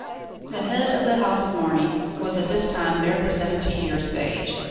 II The head of the house of Marny was at this time barely seventy years of age.